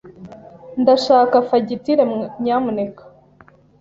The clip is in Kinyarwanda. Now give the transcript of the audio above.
Ndashaka fagitire, nyamuneka.